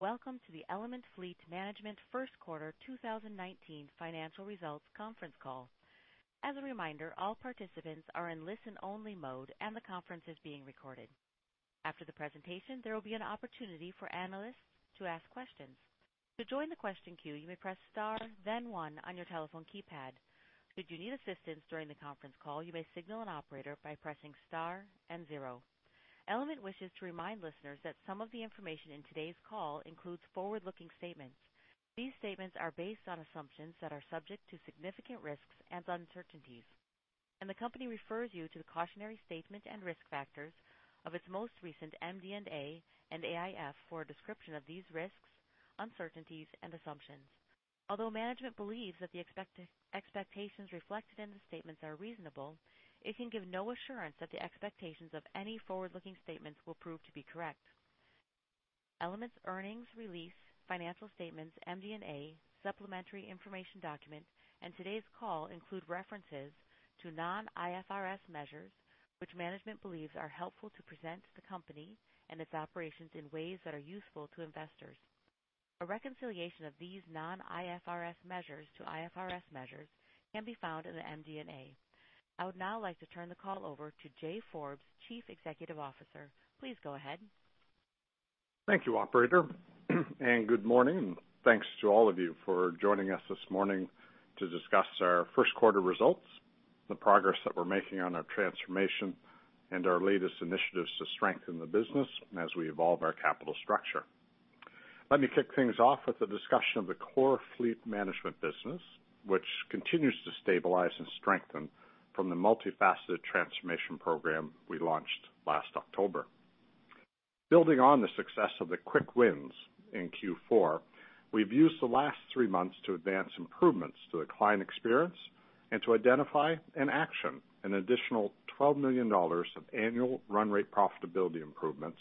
Welcome to the Element Fleet Management first quarter 2019 financial results conference call. As a reminder, all participants are in listen-only mode, and the conference is being recorded. After the presentation, there will be an opportunity for analysts to ask questions. To join the question queue, you may press star, then one on your telephone keypad. Should you need assistance during the conference call, you may signal an operator by pressing star and zero. Element wishes to remind listeners that some of the information in today's call includes forward-looking statements. These statements are based on assumptions that are subject to significant risks and uncertainties, and the company refers you to the cautionary statement and risk factors of its most recent MD&A and AIF for a description of these risks, uncertainties, and assumptions. Although management believes that the expectations reflected in the statements are reasonable, it can give no assurance that the expectations of any forward-looking statements will prove to be correct. Element's earnings release, financial statements, MD&A, supplementary information document, and today's call include references to non-IFRS measures, which management believes are helpful to present the company and its operations in ways that are useful to investors. A reconciliation of these non-IFRS measures to IFRS measures can be found in the MD&A. I would now like to turn the call over to Jay Forbes, Chief Executive Officer. Please go ahead. Thank you, operator. Good morning, and thanks to all of you for joining us this morning to discuss our first quarter results, the progress that we're making on our transformation, and our latest initiatives to strengthen the business as we evolve our capital structure. Let me kick things off with a discussion of the core fleet management business, which continues to stabilize and strengthen from the multifaceted transformation program we launched last October. Building on the success of the quick wins in Q4, we've used the last three months to advance improvements to the client experience and to identify and action an additional CAD 12 million of annual run rate profitability improvements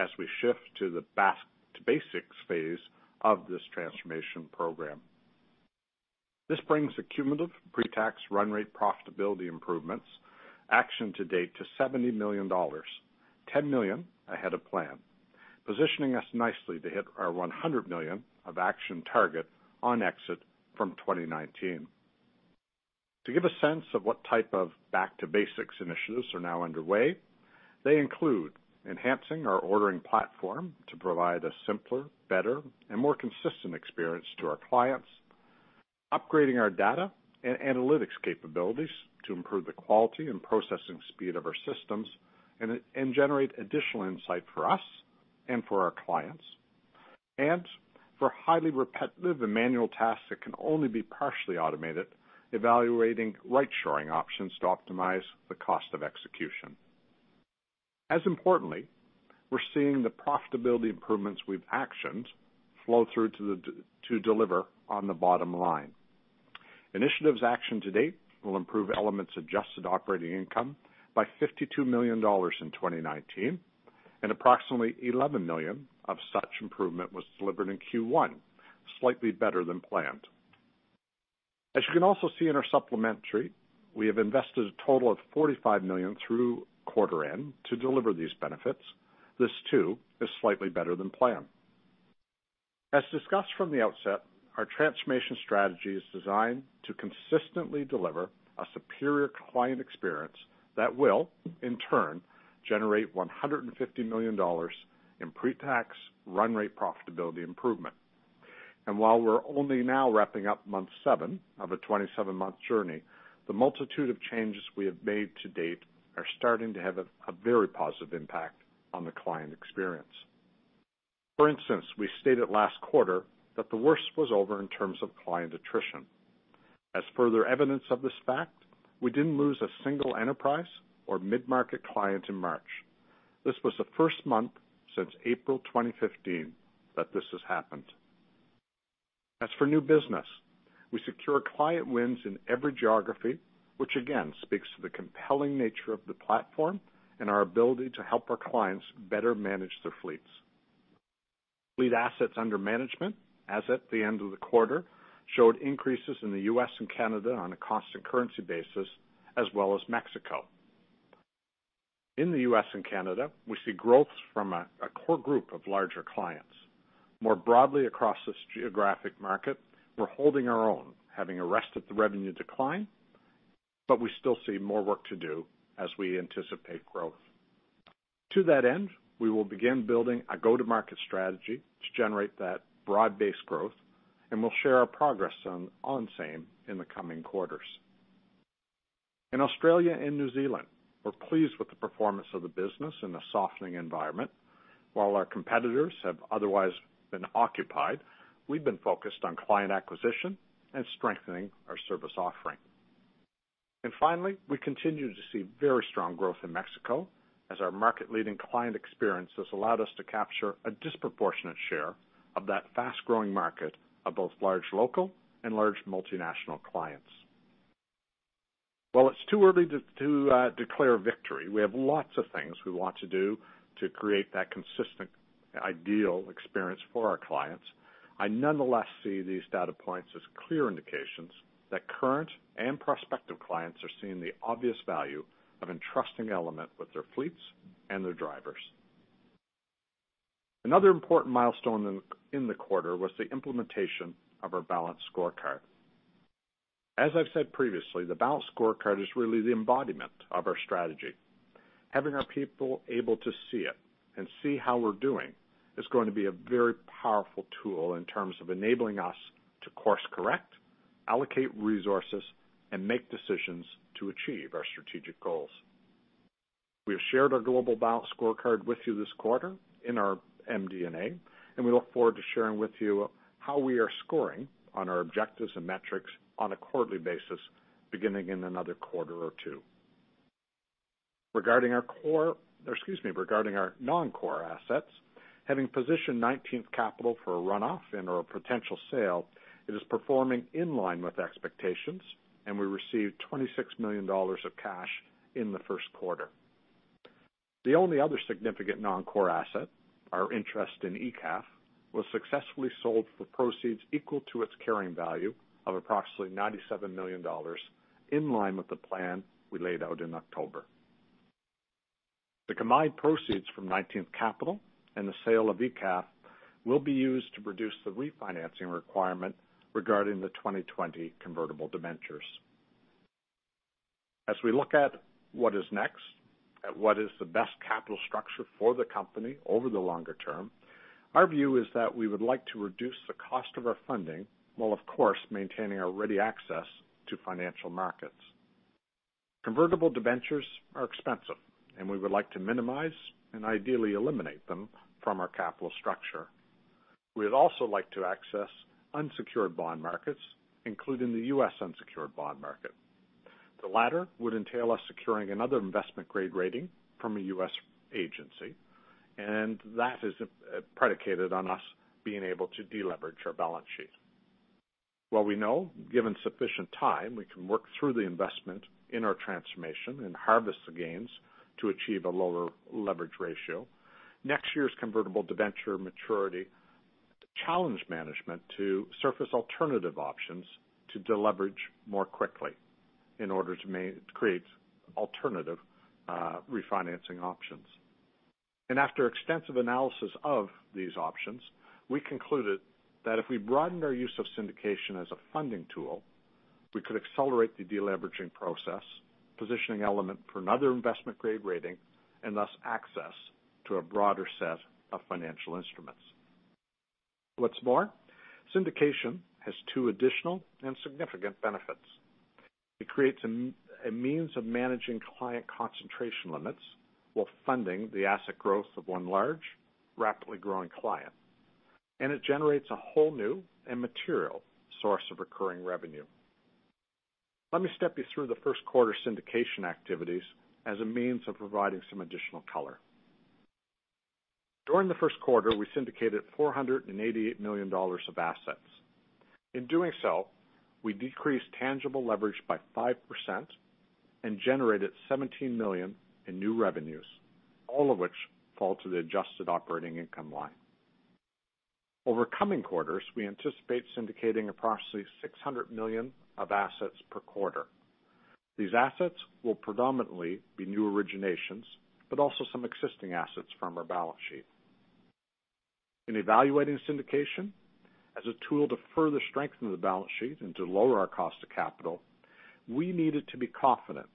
as we shift to the back-to-basics phase of this transformation program. This brings the cumulative pretax run rate profitability improvements action to date to 70 million dollars, 10 million ahead of plan, positioning us nicely to hit our 100 million of action target on exit from 2019. To give a sense of what type of back-to-basics initiatives are now underway, they include enhancing our ordering platform to provide a simpler, better, and more consistent experience to our clients. Upgrading our data and analytics capabilities to improve the quality and processing speed of our systems and generate additional insight for us and for our clients. For highly repetitive and manual tasks that can only be partially automated, evaluating right shoring options to optimize the cost of execution. As importantly, we're seeing the profitability improvements we've actioned flow through to deliver on the bottom line. Initiatives action to date will improve Element's adjusted operating income by 52 million dollars in 2019. Approximately 11 million of such improvement was delivered in Q1, slightly better than planned. As you can also see in our supplementary, we have invested a total of 45 million through quarter end to deliver these benefits. This, too, is slightly better than planned. As discussed from the outset, our transformation strategy is designed to consistently deliver a superior client experience that will in turn generate 150 million dollars in pre-tax run rate profitability improvement. While we're only now wrapping up month 7 of a 27-month journey, the multitude of changes we have made to date are starting to have a very positive impact on the client experience. For instance, we stated last quarter that the worst was over in terms of client attrition. As further evidence of this fact, we didn't lose a single enterprise or mid-market client in March. This was the first month since April 2015 that this has happened. As for new business, we secure client wins in every geography, which again speaks to the compelling nature of the platform and our ability to help our clients better manage their fleets. Fleet assets under management as at the end of the quarter, showed increases in the U.S. and Canada on a constant currency basis, as well as Mexico. In the U.S. and Canada, we see growth from a core group of larger clients. More broadly across this geographic market, we're holding our own, having arrested the revenue decline. We still see more work to do as we anticipate growth. To that end, we will begin building a go-to-market strategy to generate that broad-based growth. We'll share our progress on same in the coming quarters. In Australia and New Zealand, we're pleased with the performance of the business in the softening environment. While our competitors have otherwise been occupied, we've been focused on client acquisition and strengthening our service offering. Finally, we continue to see very strong growth in Mexico as our market-leading client experience has allowed us to capture a disproportionate share of that fast-growing market of both large local and large multinational clients. While it's too early to declare victory, we have lots of things we want to do to create that consistent, ideal experience for our clients. I nonetheless see these data points as clear indications that current and prospective clients are seeing the obvious value of entrusting Element with their fleets and their drivers. Another important milestone in the quarter was the implementation of our balanced scorecard. As I've said previously, the balanced scorecard is really the embodiment of our strategy. Having our people able to see it and see how we're doing is going to be a very powerful tool in terms of enabling us to course-correct, allocate resources, and make decisions to achieve our strategic goals. We have shared our global balanced scorecard with you this quarter in our MD&A. We look forward to sharing with you how we are scoring on our objectives and metrics on a quarterly basis, beginning in another quarter or two. Regarding our non-core assets, having positioned 19th Capital for a runoff and/or a potential sale, it is performing in line with expectations. We received 26 million dollars of cash in the first quarter. The only other significant non-core asset, our interest in ECAF, was successfully sold for proceeds equal to its carrying value of approximately 97 million dollars, in line with the plan we laid out in October. The combined proceeds from 19th Capital and the sale of ECAF will be used to reduce the refinancing requirement regarding the 2020 convertible debentures. As we look at what is next, at what is the best capital structure for the company over the longer term, our view is that we would like to reduce the cost of our funding, while of course, maintaining our ready access to financial markets. Convertible debentures are expensive. We would like to minimize and ideally eliminate them from our capital structure. We'd also like to access unsecured bond markets, including the U.S. unsecured bond market. The latter would entail us securing another investment-grade rating from a U.S. agency. That is predicated on us being able to deleverage our balance sheet. While we know given sufficient time, we can work through the investment in our transformation and harvest the gains to achieve a lower leverage ratio, next year's convertible debenture maturity challenged management to surface alternative options to deleverage more quickly in order to create alternative refinancing options. After extensive analysis of these options, we concluded that if we broadened our use of syndication as a funding tool, we could accelerate the deleveraging process, positioning Element for another investment-grade rating, and thus access to a broader set of financial instruments. What's more, syndication has two additional and significant benefits. It creates a means of managing client concentration limits while funding the asset growth of one large, rapidly growing client. It generates a whole new and material source of recurring revenue. Let me step you through the first quarter syndication activities as a means of providing some additional color. During the first quarter, we syndicated 488 million dollars of assets. In doing so, we decreased tangible leverage by 5% and generated 17 million in new revenues, all of which fall to the Adjusted Operating Income line. Over coming quarters, we anticipate syndicating approximately 600 million of assets per quarter. These assets will predominantly be new originations, but also some existing assets from our balance sheet. In evaluating syndication as a tool to further strengthen the balance sheet and to lower our cost of capital, we needed to be confident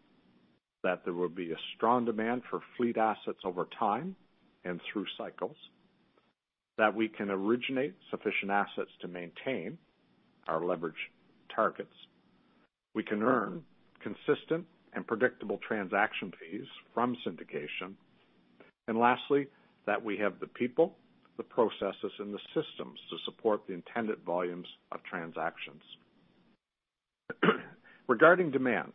that there would be a strong demand for fleet assets over time and through cycles. That we can originate sufficient assets to maintain our leverage targets. We can earn consistent and predictable transaction fees from syndication. Lastly, that we have the people, the processes, and the systems to support the intended volumes of transactions. Regarding demand,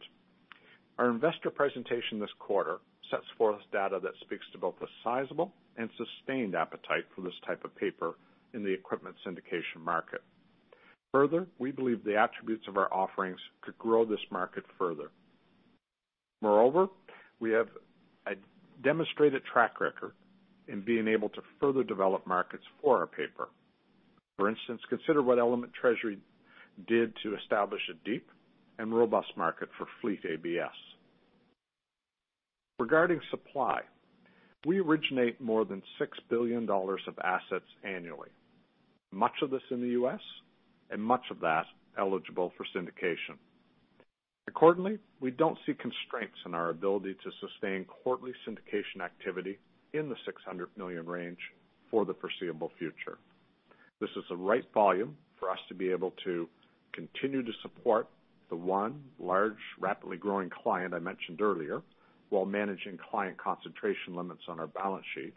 our investor presentation this quarter sets forth data that speaks to both the sizable and sustained appetite for this type of paper in the equipment syndication market. Further, we believe the attributes of our offerings could grow this market further. Moreover, we have a demonstrated track record in being able to further develop markets for our paper. For instance, consider what Element Treasury did to establish a deep and robust market for fleet ABS. Regarding supply, we originate more than 6 billion dollars of assets annually, much of this in the U.S. and much of that eligible for syndication. We don't see constraints in our ability to sustain quarterly syndication activity in the 600 million range for the foreseeable future. This is the right volume for us to be able to continue to support the one large, rapidly growing client I mentioned earlier, while managing client concentration limits on our balance sheet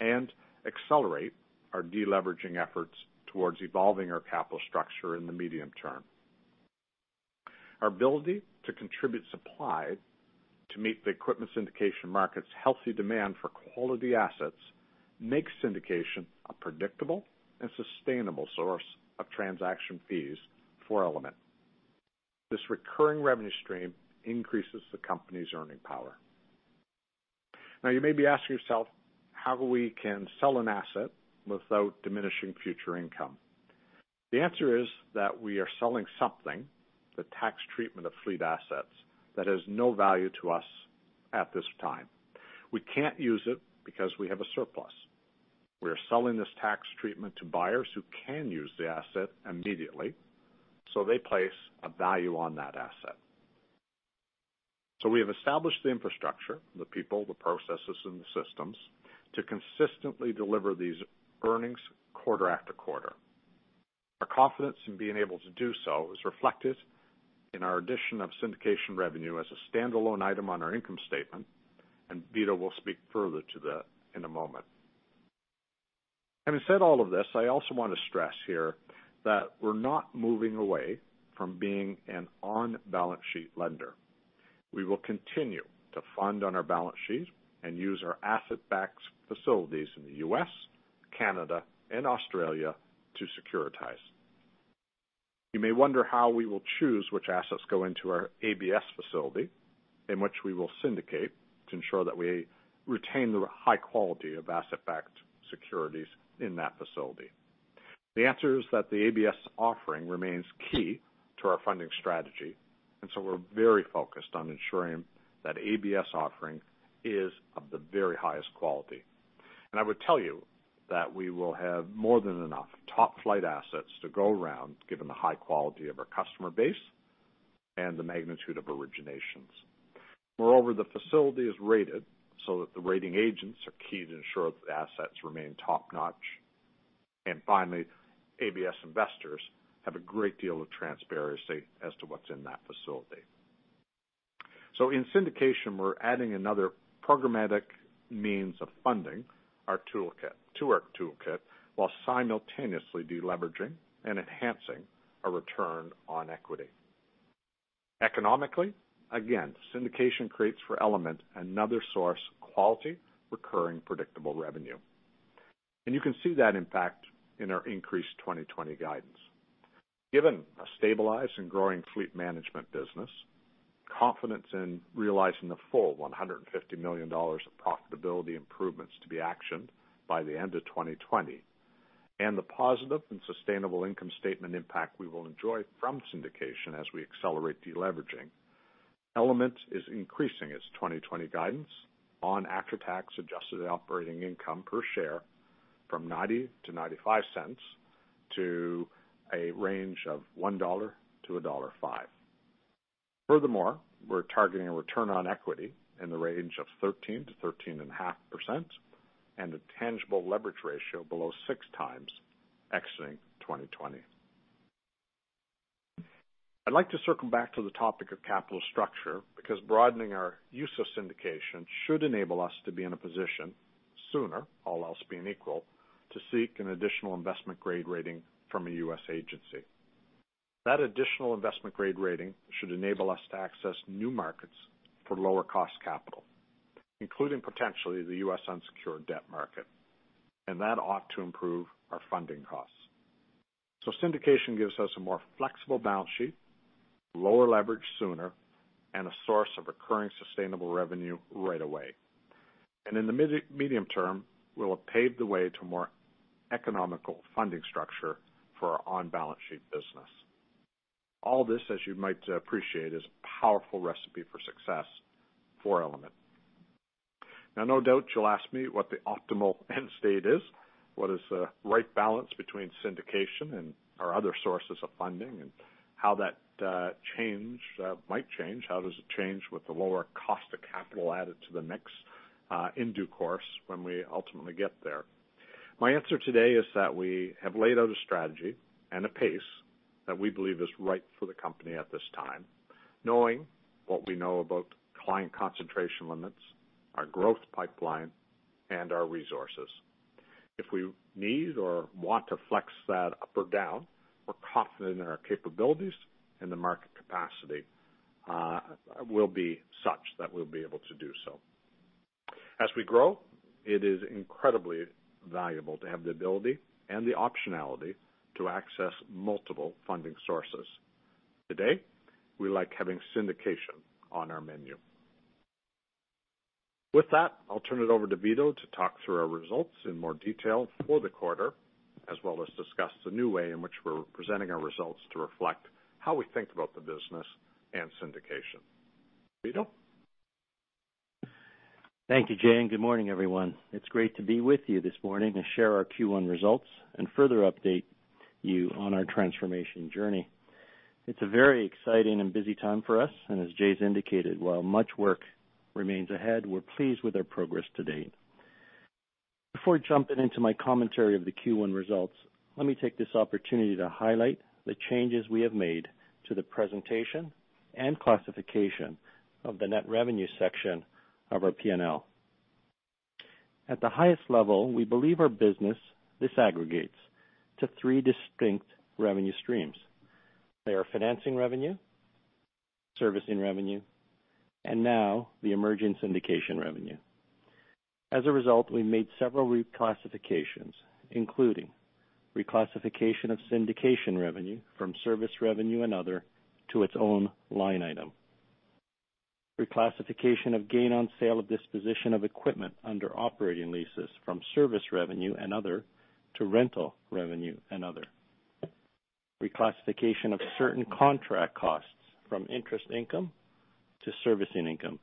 and accelerate our deleveraging efforts towards evolving our capital structure in the medium term. Our ability to contribute supply to meet the equipment syndication market's healthy demand for quality assets makes syndication a predictable and sustainable source of transaction fees for Element. This recurring revenue stream increases the company's earning power. You may be asking yourself how we can sell an asset without diminishing future income. The answer is that we are selling something, the tax treatment of fleet assets, that has no value to us at this time. We can't use it because we have a surplus. We are selling this tax treatment to buyers who can use the asset immediately, they place a value on that asset. We have established the infrastructure, the people, the processes, and the systems to consistently deliver these earnings quarter after quarter. Our confidence in being able to do so is reflected in our addition of syndication revenue as a standalone item on our income statement, Vito will speak further to that in a moment. Having said all of this, I also want to stress here that we're not moving away from being an on-balance-sheet lender. We will continue to fund on our balance sheet and use our asset-backed facilities in the U.S., Canada, and Australia to securitize. You may wonder how we will choose which assets go into our ABS facility, and which we will syndicate to ensure that we retain the high quality of asset-backed securities in that facility. The answer is that the ABS offering remains key to our funding strategy, we're very focused on ensuring that ABS offering is of the very highest quality. I would tell you that we will have more than enough top-flight assets to go around, given the high quality of our customer base and the magnitude of originations. Moreover, the facility is rated so that the rating agents are key to ensure that the assets remain top-notch. Finally, ABS investors have a great deal of transparency as to what's in that facility. In syndication, we're adding another programmatic means of funding to our toolkit while simultaneously de-leveraging and enhancing our return on equity. Economically, again, syndication creates for Element another source of quality, recurring, predictable revenue. You can see that impact in our increased 2020 guidance. Given a stabilized and growing fleet management business, confidence in realizing the full 150 million dollars of profitability improvements to be actioned by the end of 2020, and the positive and sustainable income statement impact we will enjoy from syndication as we accelerate de-leveraging, Element is increasing its 2020 guidance on after-tax adjusted operating income per share from 0.90 to 0.95 to a range of 1.00 dollar to dollar 1.05. Furthermore, we're targeting a return on equity in the range of 13%-13.5% and a tangible leverage ratio below six times exiting 2020. I'd like to circle back to the topic of capital structure because broadening our use of syndication should enable us to be in a position sooner, all else being equal, to seek an additional investment-grade rating from a U.S. agency. That additional investment-grade rating should enable us to access new markets for lower cost capital, including potentially the U.S. unsecured debt market, and that ought to improve our funding costs. Syndication gives us a more flexible balance sheet, lower leverage sooner, and a source of recurring sustainable revenue right away. In the medium term, we'll have paved the way to more economical funding structure for our on-balance-sheet business. All this, as you might appreciate, is a powerful recipe for success for Element. Now, no doubt you'll ask me what the optimal end state is, what is the right balance between syndication and our other sources of funding, and how that might change. How does it change with the lower cost of capital added to the mix in due course when we ultimately get there? My answer today is that we have laid out a strategy and a pace that we believe is right for the company at this time, knowing what we know about client concentration limits, our growth pipeline, and our resources. If we need or want to flex that up or down, we're confident in our capabilities and the market capacity will be such that we'll be able to do so. As we grow, it is incredibly valuable to have the ability and the optionality to access multiple funding sources. Today, we like having syndication on our menu. With that, I'll turn it over to Vito to talk through our results in more detail for the quarter, as well as discuss the new way in which we're presenting our results to reflect how we think about the business and syndication. Vito? Thank you, Jay, and good morning, everyone. It's great to be with you this morning and share our Q1 results and further update you on our transformation journey. It's a very exciting and busy time for us, and as Jay's indicated, while much work remains ahead, we're pleased with our progress to date. Before jumping into my commentary of the Q1 results, let me take this opportunity to highlight the changes we have made to the presentation and classification of the net revenue section of our P&L. At the highest level, we believe our business disaggregates to three distinct revenue streams. They are financing revenue, servicing revenue, and now the emergent syndication revenue. As a result, we made several reclassifications, including reclassification of syndication revenue from service revenue and other to its own line item. Reclassification of gain on sale of disposition of equipment under operating leases from service revenue and other to rental revenue and other. Reclassification of certain contract costs from interest income to servicing income,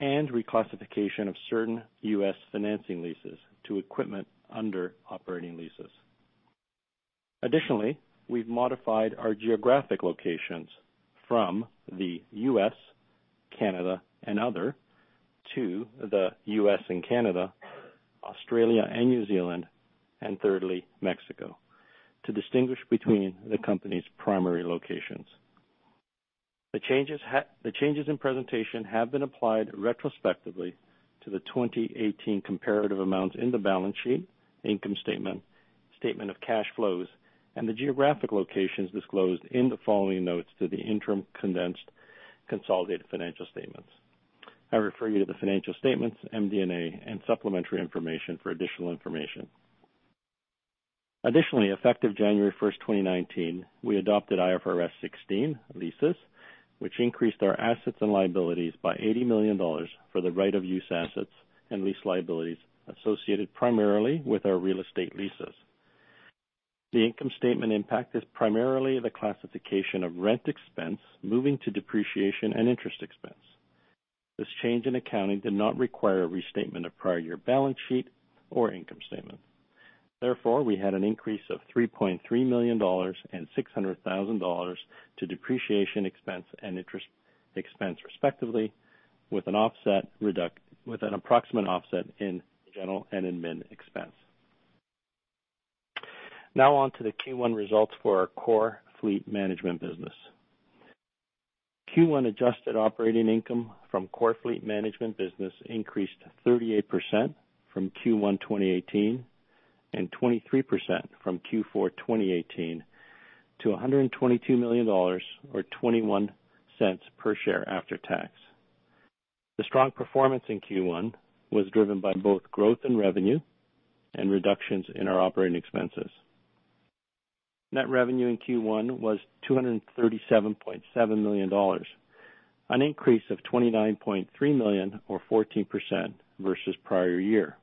and reclassification of certain U.S. financing leases to equipment under operating leases. Additionally, we've modified our geographic locations from the U.S., Canada, and other to the U.S. and Canada, Australia and New Zealand, and thirdly, Mexico, to distinguish between the company's primary locations. The changes in presentation have been applied retrospectively to the 2018 comparative amounts in the balance sheet, income statement of cash flows, and the geographic locations disclosed in the following notes to the interim condensed consolidated financial statements. I refer you to the financial statements, MD&A, and supplementary information for additional information. Additionally, effective January first, 2019, we adopted IFRS 16 leases, which increased our assets and liabilities by 80 million dollars for the right of use assets and lease liabilities associated primarily with our real estate leases. The income statement impact is primarily the classification of rent expense moving to depreciation and interest expense. This change in accounting did not require a restatement of prior year balance sheet or income statement. Therefore, we had an increase of 3.3 million dollars and 600,000 dollars to depreciation expense and interest expense, respectively, with an approximate offset in general and admin expense. Now on to the Q1 results for our core fleet management business. Q1 adjusted operating income from core fleet management business increased 38% from Q1 2018 and 23% from Q4 2018 to 122 million dollars, or 0.21 per share after tax. The strong performance in Q1 was driven by both growth in revenue and reductions in our operating expenses. Net revenue in Q1 was 237.7 million dollars, an increase of 29.3 million or 14% versus prior year.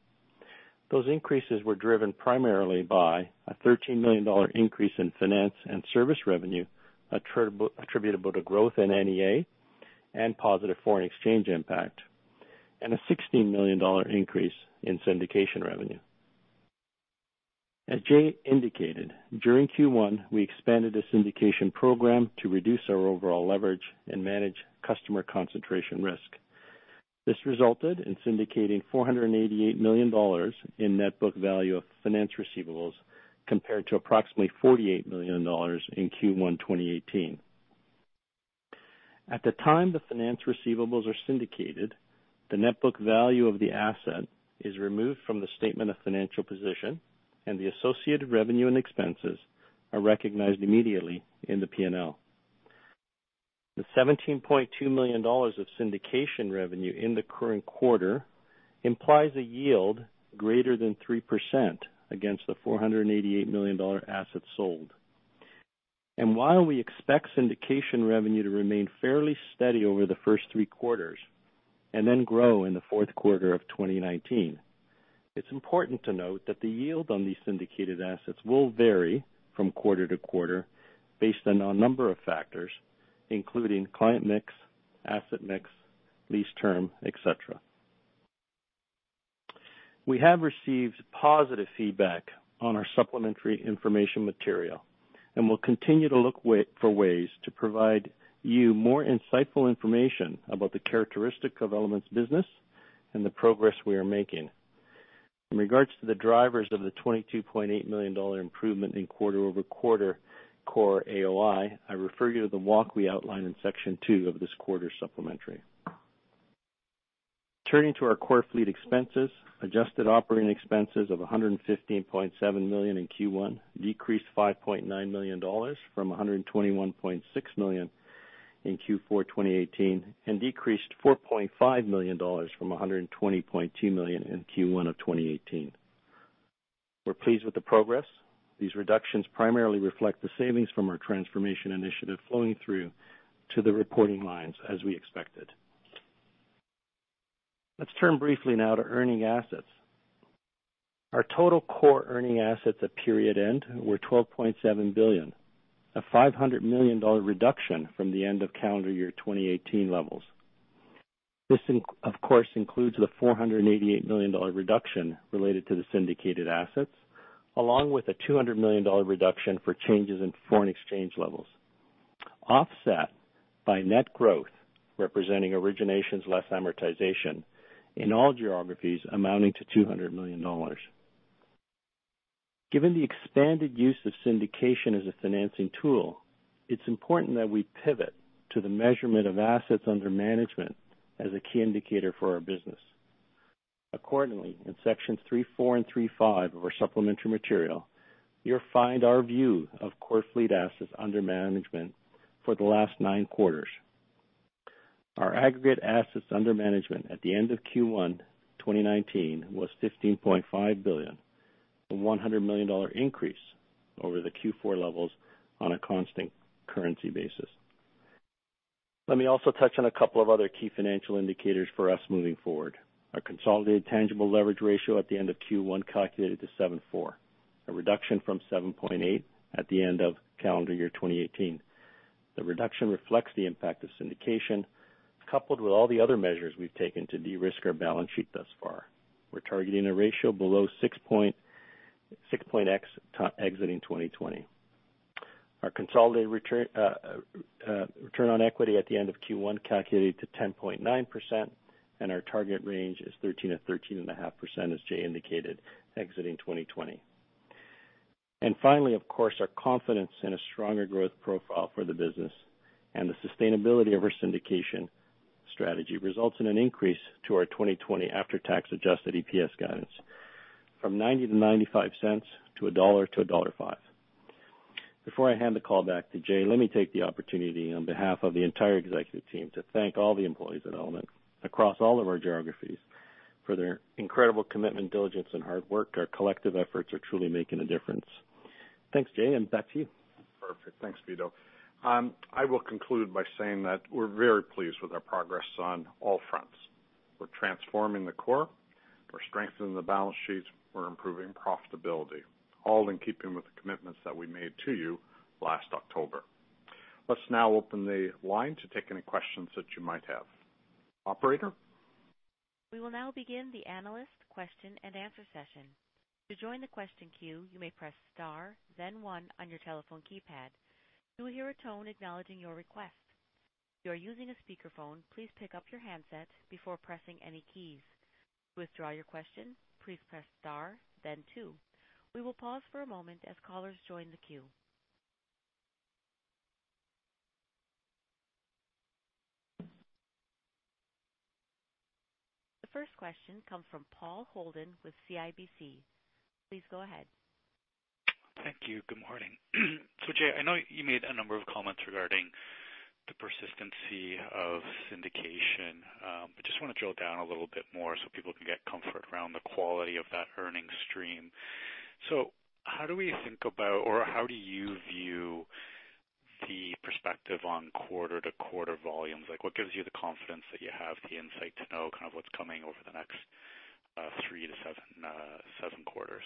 Those increases were driven primarily by a 13 million dollar increase in finance and service revenue attributable to growth in NEA and positive foreign exchange impact, and a 16 million dollar increase in syndication revenue. As Jay indicated, during Q1, we expanded the syndication program to reduce our overall leverage and manage customer concentration risk. This resulted in syndicating 488 million dollars in net book value of finance receivables compared to approximately 48 million dollars in Q1 2018. At the time the finance receivables are syndicated, the net book value of the asset is removed from the statement of financial position, and the associated revenue and expenses are recognized immediately in the P&L. While we expect syndication revenue to remain fairly steady over the first three quarters and then grow in the fourth quarter of 2019, it's important to note that the yield on these syndicated assets will vary from quarter to quarter based on a number of factors, including client mix, asset mix, lease term, et cetera. We have received positive feedback on our supplementary information material, and we'll continue to look for ways to provide you more insightful information about the characteristic of Element's business and the progress we are making. In regards to the drivers of the 22.8 million dollar improvement in quarter-over-quarter core AOI, I refer you to the walk we outlined in section two of this quarter's supplementary. Turning to our core fleet expenses, adjusted operating expenses of 115.7 million in Q1 decreased 5.9 million dollars from 121.6 million in Q4 2018 and decreased 4.5 million dollars from 120.2 million in Q1 of 2018. We're pleased with the progress. These reductions primarily reflect the savings from our transformation initiative flowing through to the reporting lines as we expected. Let's turn briefly now to earning assets. Our total core earning assets at period end were 12.7 billion, a 500 million dollar reduction from the end of calendar year 2018 levels. This, of course, includes the 488 million dollar reduction related to the syndicated assets, along with a 200 million dollar reduction for changes in foreign exchange levels, offset by net growth representing originations less amortization in all geographies amounting to 200 million dollars. Given the expanded use of syndication as a financing tool, it's important that we pivot to the measurement of assets under management as a key indicator for our business. Accordingly, in sections three four and three five of our supplementary material, you'll find our view of core fleet assets under management for the last nine quarters. Our aggregate assets under management at the end of Q1 2019 was CAD 15.5 billion, a CAD 100 million increase over the Q4 levels on a constant currency basis. Let me also touch on a couple of other key financial indicators for us moving forward. Our consolidated tangible leverage ratio at the end of Q1 calculated to 7.4, a reduction from 7.8 at the end of calendar year 2018. The reduction reflects the impact of syndication, coupled with all the other measures we've taken to de-risk our balance sheet thus far. We're targeting a ratio below 6.x exiting 2020. Our consolidated return on equity at the end of Q1 calculated to 10.9%, and our target range is 13%-13.5%, as Jay indicated, exiting 2020. Finally, of course, our confidence in a stronger growth profile for the business and the sustainability of our syndication strategy results in an increase to our 2020 after-tax adjusted EPS guidance from 0.90-0.95 to 1.00-1.05 dollar. Before I hand the call back to Jay, let me take the opportunity on behalf of the entire executive team to thank all the employees at Element across all of our geographies for their incredible commitment, diligence and hard work. Our collective efforts are truly making a difference. Thanks, Jay, and back to you. Perfect. Thanks, Vito. I will conclude by saying that we're very pleased with our progress on all fronts. We're transforming the core, we're strengthening the balance sheets, we're improving profitability, all in keeping with the commitments that we made to you last October. Let's now open the line to take any questions that you might have. Operator? We will now begin the analyst question and answer session. To join the question queue, you may press star then one on your telephone keypad. You will hear a tone acknowledging your request. If you are using a speakerphone, please pick up your handset before pressing any keys. To withdraw your question, please press star then two. We will pause for a moment as callers join the queue. The first question comes from Paul Holden with CIBC. Please go ahead. Thank you. Good morning. Jay, I know you made a number of comments regarding the persistency of syndication. I just want to drill down a little bit more so people can get comfort around the quality of that earnings stream. How do we think about, or how do you view the perspective on quarter-to-quarter volumes? What gives you the confidence that you have the insight to know kind of what's coming over the next three to seven quarters?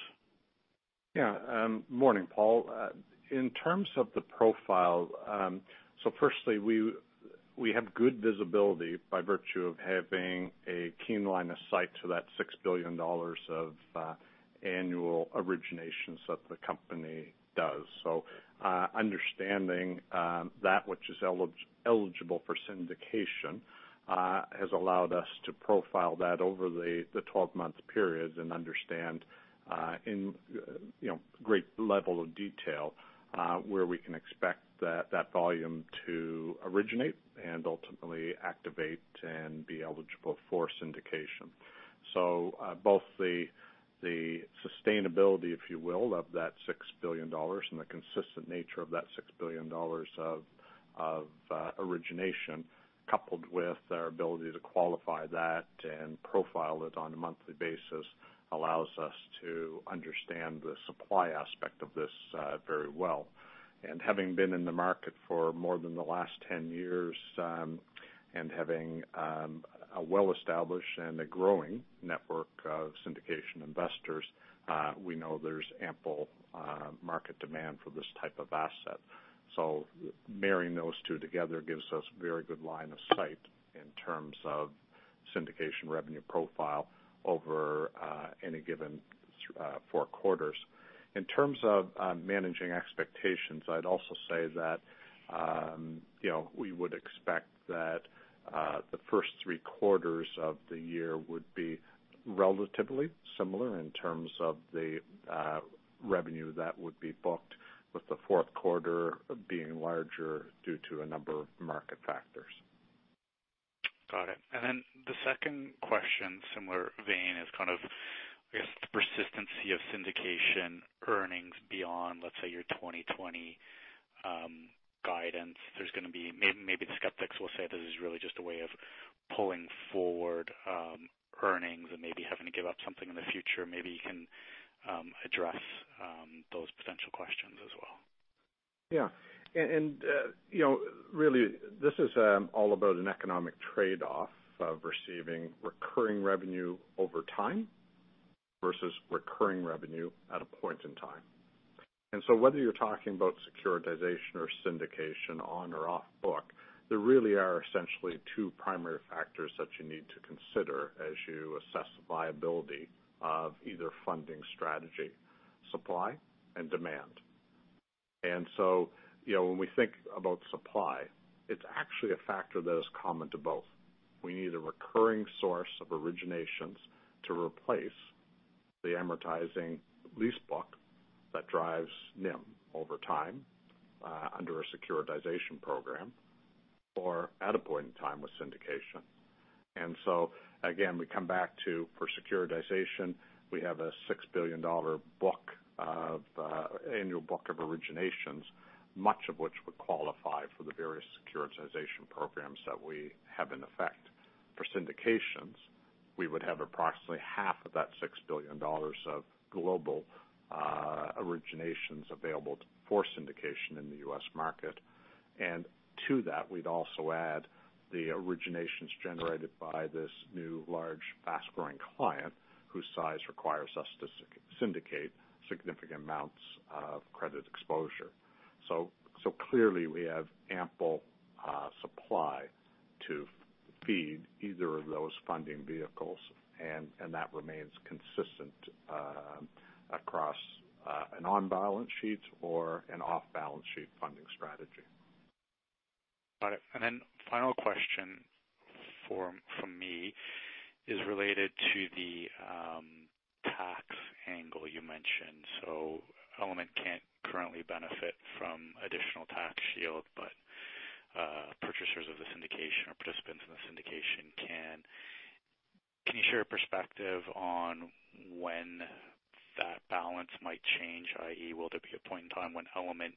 Morning, Paul. In terms of the profile, firstly, we have good visibility by virtue of having a keen line of sight to that 6 billion dollars of annual originations that the company does. Understanding that which is eligible for syndication has allowed us to profile that over the 12-month periods and understand in great level of detail where we can expect that volume to originate and ultimately activate and be eligible for syndication. Both the sustainability, if you will, of that 6 billion dollars and the consistent nature of that 6 billion dollars of origination, coupled with our ability to qualify that and profile it on a monthly basis, allows us to understand the supply aspect of this very well. Having been in the market for more than the last 10 years, and having a well-established and a growing network of syndication investors, we know there's ample market demand for this type of asset. Marrying those two together gives us very good line of sight in terms of syndication revenue profile over any given four quarters. In terms of managing expectations, I'd also say that we would expect that the first three quarters of the year would be relatively similar in terms of the revenue that would be booked, with the fourth quarter being larger due to a number of market factors. Got it. Then the second question, similar vein, is kind of, I guess, the persistency of syndication earnings beyond, let's say, your 2020 guidance. Maybe the skeptics will say this is really just a way of pulling forward earnings and maybe having to give up something in the future. Maybe you can address those potential questions as well. Yeah. Really, this is all about an economic trade-off of receiving recurring revenue over time versus recurring revenue at a point in time. Whether you're talking about securitization or syndication on or off book, there really are essentially two primary factors that you need to consider as you assess the viability of either funding strategy: supply and demand. When we think about supply, it's actually a factor that is common to both. We need a recurring source of originations to replace the amortizing lease book that drives NIM over time under a securitization program or at a point in time with syndication. Again, we come back to, for securitization, we have a 6 billion dollar annual book of originations, much of which would qualify for the various securitization programs that we have in effect. For syndications, we would have approximately half of that 6 billion dollars of global originations available for syndication in the U.S. market. To that, we'd also add the originations generated by this new, large, fast-growing client whose size requires us to syndicate significant amounts of credit exposure. Clearly we have ample supply to feed either of those funding vehicles, and that remains consistent across an on-balance sheet or an off-balance sheet funding strategy. Got it. Then final question from me is related to the tax angle you mentioned. Element can't currently benefit from additional tax shield, but purchasers of the syndication or participants in the syndication can. Can you share a perspective on when that balance might change, i.e., will there be a point in time when Element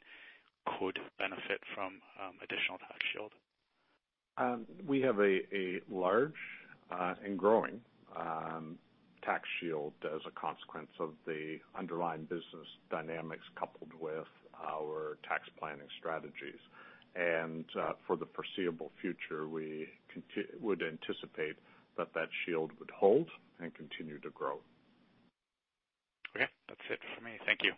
could benefit from additional tax shield? We have a large and growing tax shield as a consequence of the underlying business dynamics coupled with our tax planning strategies. For the foreseeable future, we would anticipate that that shield would hold and continue to grow. Okay, that's it for me. Thank you.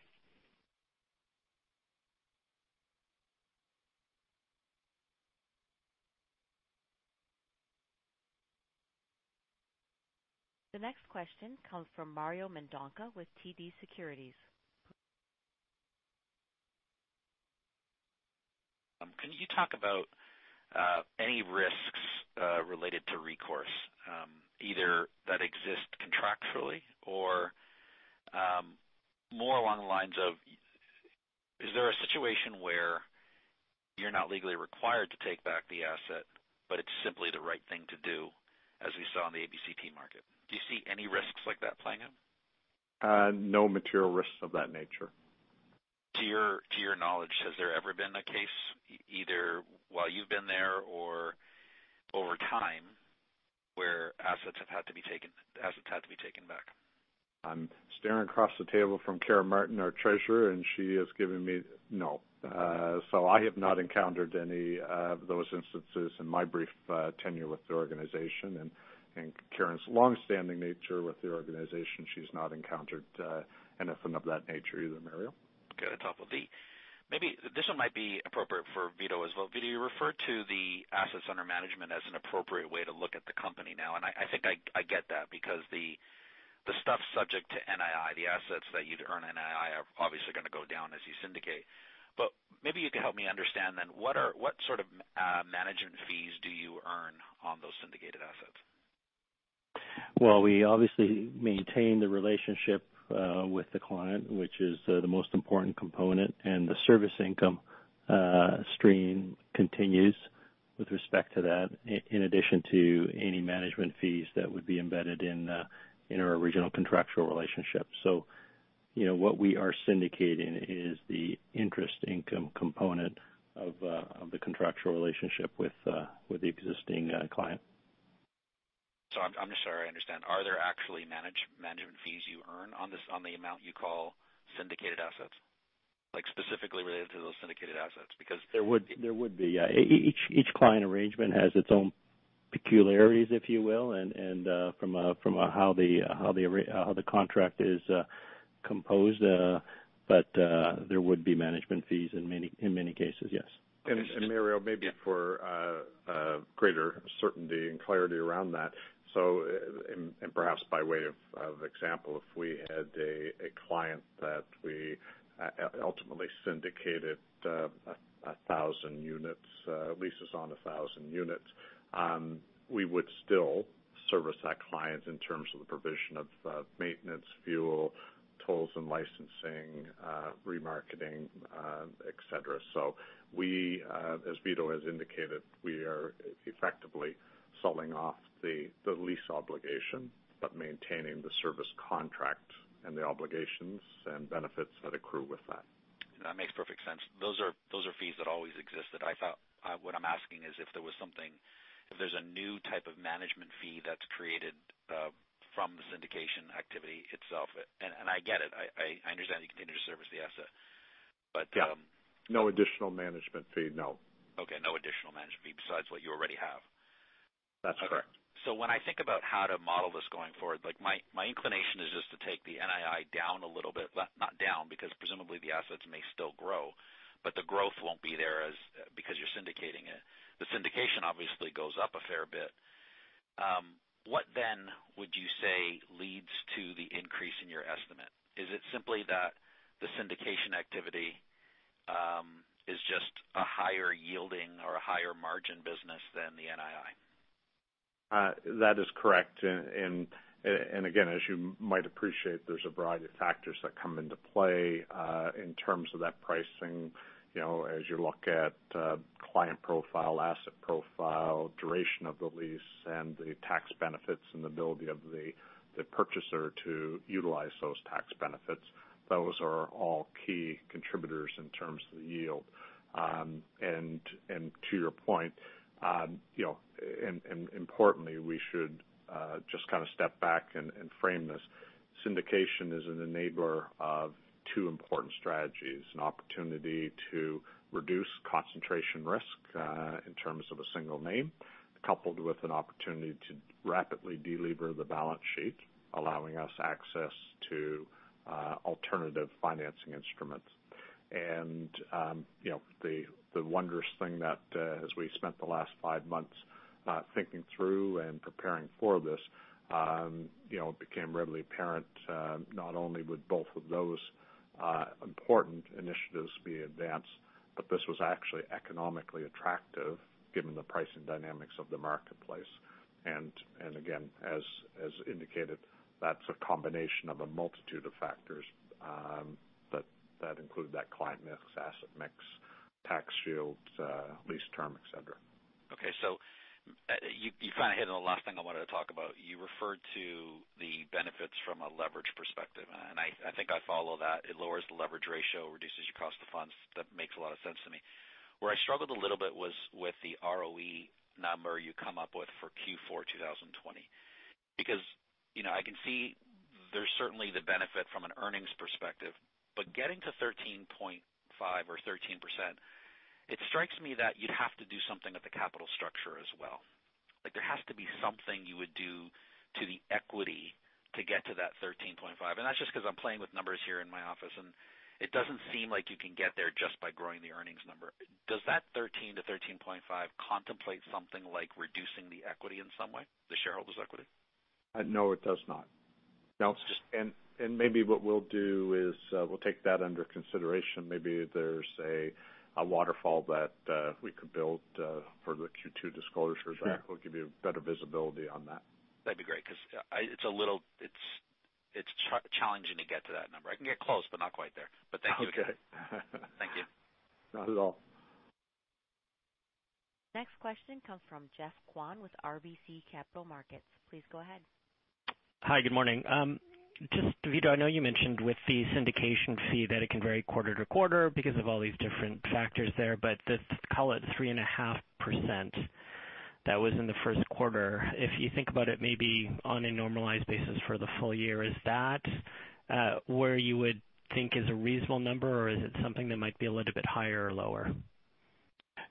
The next question comes from Mario Mendonca with TD Securities. Can you talk about any risks related to recourse either that exist contractually or more along the lines of, is there a situation where you're not legally required to take back the asset, but it's simply the right thing to do, as we saw in the ABCP market? Do you see any risks like that playing out? No material risks of that nature. To your knowledge, has there ever been a case, either while you've been there or over time, where assets have had to be taken back? I'm staring across the table from Karen Martin, our treasurer, and she has given me no. I have not encountered any of those instances in my brief tenure with the organization. In Karen's long-standing nature with the organization, she's not encountered anything of that nature either, Mario. Okay. That's helpful. This one might be appropriate for Vito as well. Vito, you referred to the assets under management as an appropriate way to look at the company now, I think I get that because the stuff subject to NII, the assets that you'd earn NII are obviously going to go down as you syndicate. Maybe you could help me understand then, what sort of management fees do you earn on those syndicated assets? Well, we obviously maintain the relationship with the client, which is the most important component, the service income stream continues with respect to that, in addition to any management fees that would be embedded in our original contractual relationship. What we are syndicating is the interest income component of the contractual relationship with the existing client. I'm just sorry, I understand. Are there actually management fees you earn on the amount you call syndicated assets? Like specifically related to those syndicated assets because. There would be. Each client arrangement has its own peculiarities, if you will, from how the contract is composed. There would be management fees in many cases, yes. Mario, maybe for greater certainty and clarity around that. Perhaps by way of example, if we had a client that we ultimately syndicated leases on 1,000 units, we would still service that client in terms of the provision of maintenance, fuel, tolls and licensing, remarketing, et cetera. We, as Vito has indicated, we are effectively selling off the lease obligation, but maintaining the service contract and the obligations and benefits that accrue with that. That makes perfect sense. Those are fees that always exist that I thought. What I'm asking is if there's a new type of management fee that's created from the syndication activity itself. I get it. I understand you continue to service the asset. Yeah. No additional management fee, no. Okay. No additional management fee besides what you already have. That's correct. Okay. When I think about how to model this going forward, my inclination is just to take the NII down a little bit. Not down, because presumably the assets may still grow, but the growth won't be there because you're syndicating it. The syndication obviously goes up a fair bit. What would you say leads to the increase in your estimate? Is it simply that the syndication activity is just a higher yielding or a higher margin business than the NII? That is correct. Again, as you might appreciate, there's a variety of factors that come into play in terms of that pricing. As you look at client profile, asset profile, duration of the lease, and the tax benefits and the ability of the purchaser to utilize those tax benefits, those are all key contributors in terms of the yield. To your point, and importantly, we should just kind of step back and frame this. Syndication is an enabler of two important strategies, an opportunity to reduce concentration risk in terms of a single name, coupled with an opportunity to rapidly delever the balance sheet, allowing us access to alternative financing instruments. The wondrous thing that, as we spent the last five months thinking through and preparing for this, it became readily apparent not only would both of those important initiatives be advanced, but this was actually economically attractive given the pricing dynamics of the marketplace. Again, as indicated, that's a combination of a multitude of factors that include that client mix, asset mix, tax shields, lease term, et cetera. Okay. You kind of hit on the last thing I wanted to talk about. You referred to the benefits from a leverage perspective, and I think I follow that. It lowers the leverage ratio, reduces your cost of funds. That makes a lot of sense to me. Where I struggled a little bit was with the ROE number you come up with for Q4 2020. I can see there's certainly the benefit from an earnings perspective, but getting to 13.5 or 13%, it strikes me that you'd have to do something with the capital structure as well. There has to be something you would do to the equity to get to that 13.5. That's just because I'm playing with numbers here in my office, and it doesn't seem like you can get there just by growing the earnings number. Does that 13-13.5 contemplate something like reducing the equity in some way? The shareholders' equity? No, it does not. No? Maybe what we'll do is we'll take that under consideration. Maybe there's a waterfall that we could build for the Q2 disclosure- Sure that will give you better visibility on that. That'd be great because it's challenging to get to that number. I can get close, but not quite there. Thank you. Okay. Thank you. Not at all. Next question comes from Geoffrey Kwan with RBC Capital Markets. Please go ahead. Hi, good morning. Just Vito, I know you mentioned with the syndication fee that it can vary quarter-to-quarter because of all these different factors there. Just call it 3.5% that was in the first quarter. If you think about it maybe on a normalized basis for the full year, is that where you would think is a reasonable number, or is it something that might be a little bit higher or lower?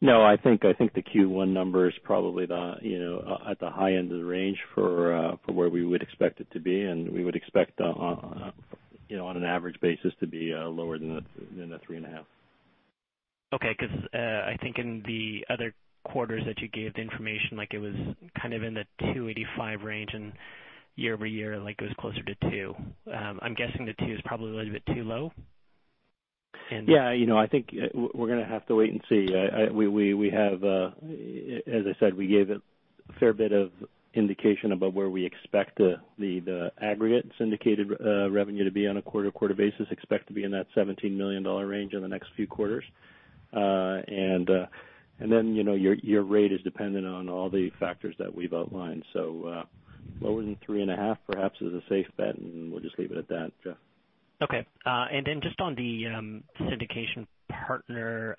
I think the Q1 number is probably at the high end of the range for where we would expect it to be. We would expect on an average basis to be lower than the three and a half. Because I think in the other quarters that you gave the information, it was kind of in the 285 range, and year-over-year, it was closer to two. I'm guessing the two is probably a little bit too low? I think we're going to have to wait and see. As I said, we gave a fair bit of indication about where we expect the aggregate syndicated revenue to be on a quarter-to-quarter basis, expect to be in that 17 million dollar range in the next few quarters. Your rate is dependent on all the factors that we've outlined. Lower than three and a half, perhaps, is a safe bet, and we'll just leave it at that, Geoff. Okay. Then just on the syndication partner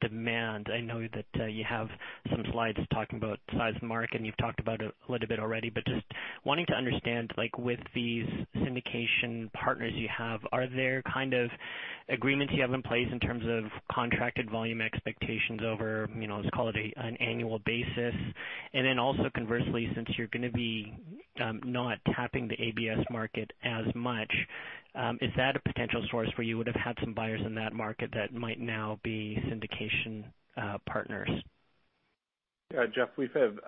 demand, I know that you have some slides talking about size of market, you've talked about it a little bit already. Just wanting to understand, with these syndication partners you have, are there kind of agreements you have in place in terms of contracted volume expectations over, let's call it an annual basis? Then also conversely, since you're going to be not tapping the ABS market as much, is that a potential source where you would have had some buyers in that market that might now be syndication partners? Jeff, we've had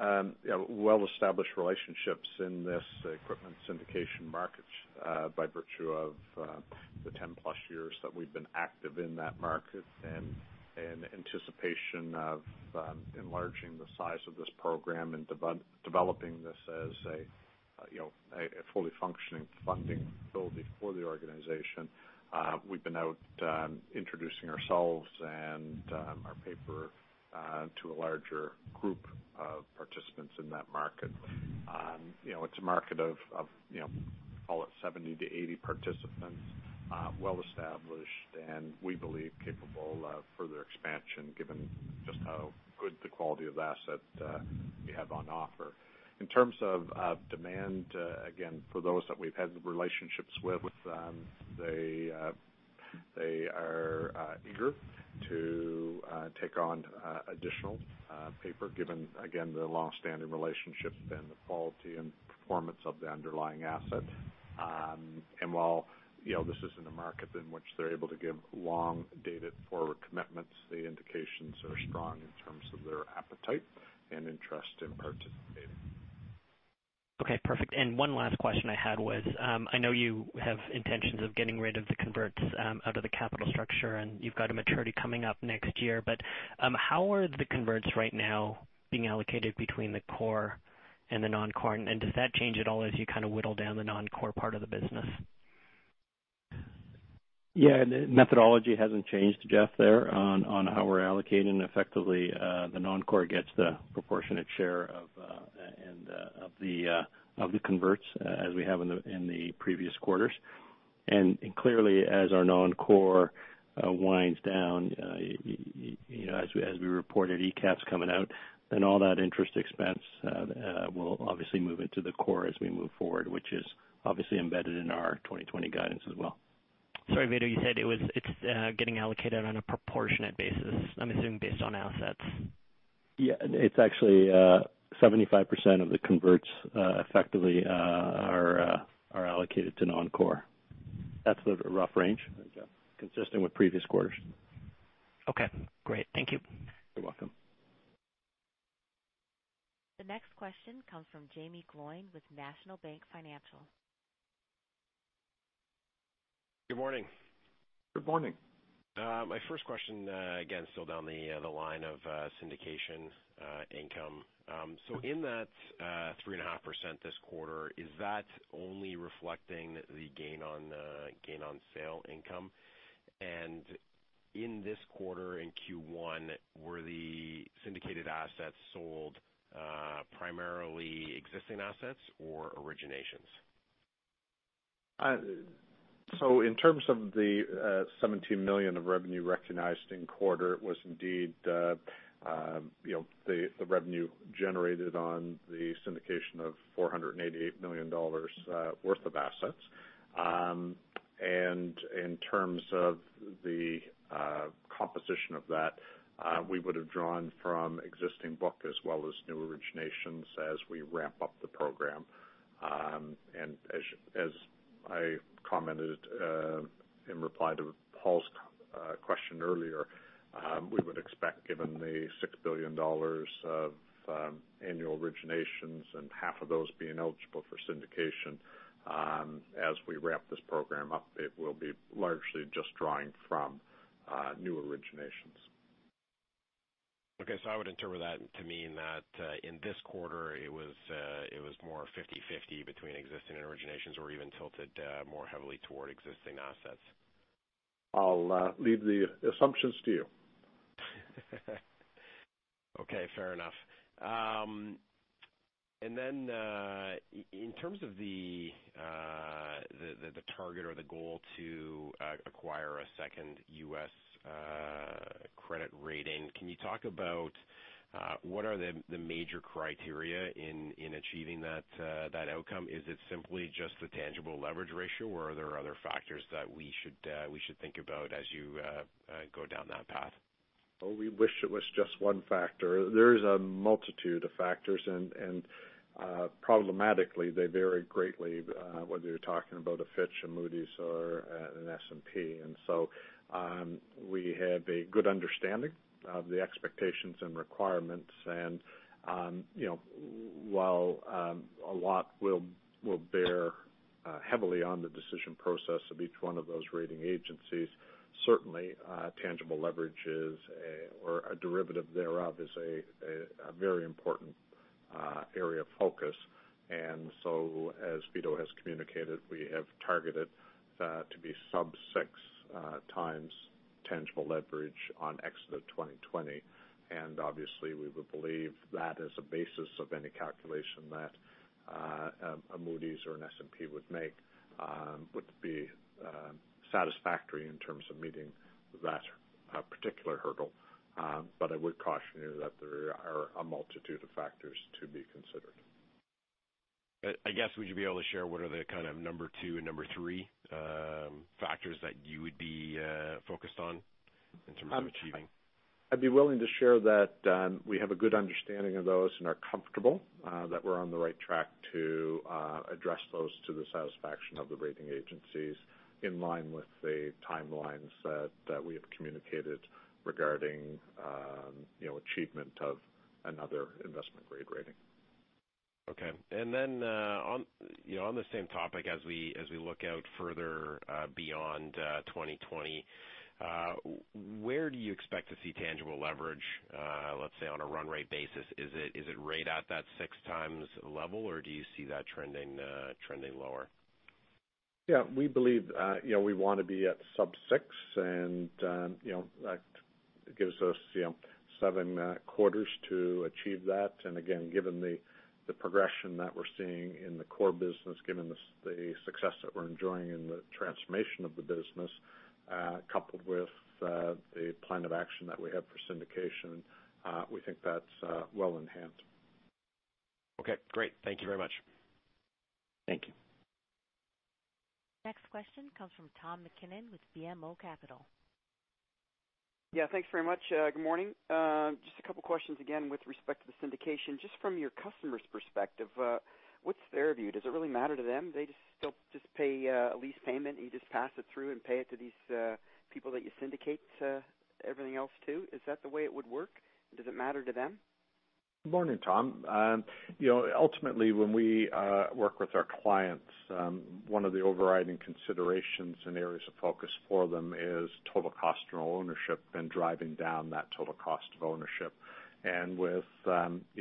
well-established relationships in this equipment syndication market by virtue of the 10+ years that we've been active in that market. In anticipation of enlarging the size of this program and developing this as a fully functioning funding ability for the organization, we've been out introducing ourselves and our paper to a larger group of participants in that market. It's a market of call it 70-80 participants, well established, and we believe capable of further expansion given just how good the quality of asset we have on offer. In terms of demand, again, for those that we've had the relationships with, they are eager to take on additional paper given, again, the longstanding relationships and the quality and performance of the underlying asset. While this isn't a market in which they're able to give long-dated forward commitments, the indications are strong in terms of their appetite and interest in participating. Okay, perfect. One last question I had was, I know you have intentions of getting rid of the converts out of the capital structure, and you've got a maturity coming up next year. How are the converts right now being allocated between the core and the non-core? Does that change at all as you whittle down the non-core part of the business? Yeah. The methodology hasn't changed, Jeff, there on how we're allocating effectively. The non-core gets the proportionate share of the converts as we have in the previous quarters. Clearly as our non-core winds down, as we reported, ECAF is coming out, all that interest expense will obviously move into the core as we move forward, which is obviously embedded in our 2020 guidance as well. Sorry, Vito, you said it's getting allocated on a proportionate basis, I'm assuming based on assets. Yeah. It's actually 75% of the converts effectively are allocated to non-core. That's the rough range, consistent with previous quarters. Okay, great. Thank you. You're welcome. The next question comes from Jaeme Gloyn with National Bank Financial. Good morning. Good morning. My first question, again, still down the line of syndication income. In that 3.5% this quarter, is that only reflecting the gain on sale income? In this quarter, in Q1, were the syndicated assets sold primarily existing assets or originations? In terms of the 17 million of revenue recognized in quarter, it was indeed the revenue generated on the syndication of 488 million dollars worth of assets. In terms of the composition of that, we would have drawn from existing book as well as new originations as we ramp up the program. As I commented in reply to Paul's question earlier, we would expect, given the 6 billion dollars of annual originations and half of those being eligible for syndication, as we wrap this program up, it will be largely just drawing from new originations. Okay. I would interpret that to mean that in this quarter it was more 50/50 between existing and originations or even tilted more heavily toward existing assets. I'll leave the assumptions to you. Okay, fair enough. In terms of the target or the goal to acquire a second U.S. credit rating, can you talk about what are the major criteria in achieving that outcome? Is it simply just the tangible leverage ratio, or are there other factors that we should think about as you go down that path? Oh, we wish it was just one factor. There is a multitude of factors, and problematically, they vary greatly, whether you're talking about a Fitch, a Moody's, or an S&P. We have a good understanding of the expectations and requirements. While a lot will bear heavily on the decision process of each one of those rating agencies, certainly tangible leverage is, or a derivative thereof, is a very important area of focus. As Vito has communicated, we have targeted that to be sub six times tangible leverage on exit of 2020. Obviously we would believe that is a basis of any calculation that a Moody's or an S&P would make would be satisfactory in terms of meeting that particular hurdle. I would caution you that there are a multitude of factors to be considered. I guess, would you be able to share what are the kind of number two and number three factors that you would be focused on in terms of achieving? I'd be willing to share that we have a good understanding of those and are comfortable that we're on the right track to address those to the satisfaction of the rating agencies in line with the timelines that we have communicated regarding achievement of another investment grade rating. Okay. Then on the same topic, as we look out further beyond 2020, where do you expect to see tangible leverage, let's say, on a run rate basis? Is it right at that six times level, or do you see that trending lower? Yeah. We believe we want to be at sub six, that gives us seven quarters to achieve that. Again, given the progression that we're seeing in the core business, given the success that we're enjoying in the transformation of the business, coupled with the plan of action that we have for syndication, we think that's well enhanced. Okay, great. Thank you very much. Thank you. Next question comes from Tom MacKinnon with BMO Capital. Yeah. Thanks very much. Good morning. Just a couple questions again with respect to the syndication. Just from your customer's perspective, what's their view? Does it really matter to them? They just pay a lease payment, and you just pass it through and pay it to these people that you syndicate everything else to. Is that the way it would work? Does it matter to them? Good morning, Tom. Ultimately, when we work with our clients, one of the overriding considerations and areas of focus for them is total cost of ownership and driving down that total cost of ownership. With the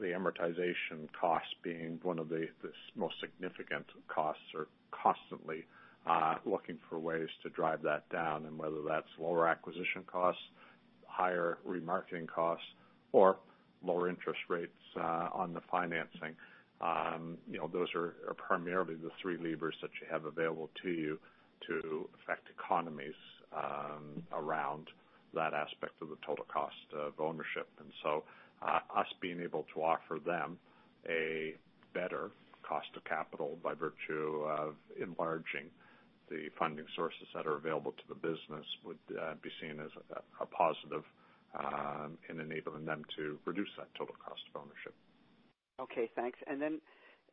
amortization cost being one of the most significant costs are constantly looking for ways to drive that down, and whether that's lower acquisition costs, higher remarketing costs, or lower interest rates on the financing. Those are primarily the three levers that you have available to you to affect economies around that aspect of the total cost of ownership. Us being able to offer them a better cost of capital by virtue of enlarging the funding sources that are available to the business would be seen as a positive in enabling them to reduce that total cost of ownership. Okay, thanks.